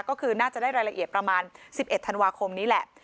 ก็คือน่าจะได้รายละเอียดประมาณ๑๑ธันวาคมนี้แหละ